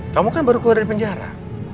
kamu kan baru keluar dari penjara